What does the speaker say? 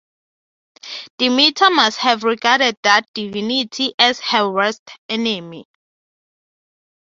Demeter must have regarded that divinity as her worst enemy.